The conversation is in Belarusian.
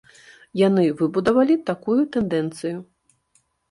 Яны выбудавалі такую тэндэнцыю.